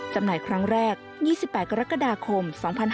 จำหน่ายครั้งแรก๒๘กรกฎาคม๒๕๕๙